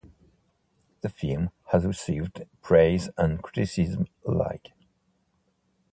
The film has received praise and criticism alike.